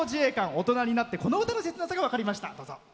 大人になってこの歌の切なさが分かりました。